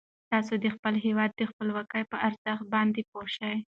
تاسو د خپل هیواد د خپلواکۍ په ارزښت باندې پوه شئ.